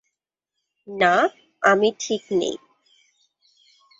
না, আমি ঠিক নেই।